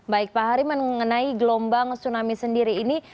baik pak hari mengenai gelombang tsunami sendiri ini